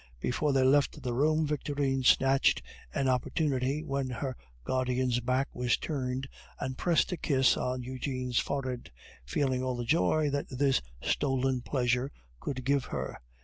Before they left the room, Victorine snatched an opportunity when her guardian's back was turned, and pressed a kiss on Eugene's forehead, feeling all the joy that this stolen pleasure could give her.